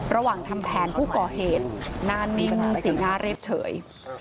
ระหว่างทำแผนผู้ก่อเหตุหน้านิ่งสีหน้าเรียบเฉย